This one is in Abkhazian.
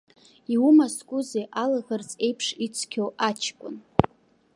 Иумаскузеи алаӷырӡ еиԥш ицқьоу аҷкәын.